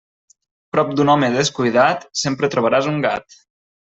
Prop d'un home descuidat, sempre trobaràs un gat.